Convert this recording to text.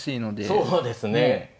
そうですね。